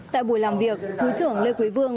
tại buổi làm việc thứ trưởng lê quý vương